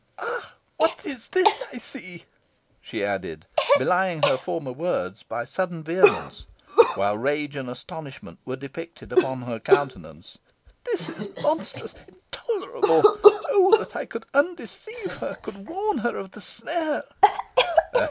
Ah! what is this I see?" she added, belying her former words by sudden vehemence, while rage and astonishment were depicted upon her countenance. "What infernal delusion is practised upon my child! This is monstrous intolerable. Oh! that I could undeceive her could warn her of the snare!"